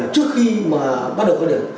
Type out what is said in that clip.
trước khi bắt đầu phát điểm